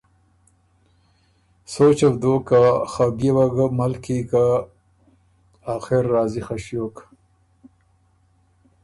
سوچه بو دوک که خه بيې وه ګه مَل کی که آخر راضی خه ݭیوک